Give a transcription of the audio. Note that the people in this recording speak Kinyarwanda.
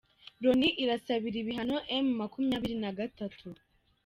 Loni irasabira ibihano M makumyabiri nagatatu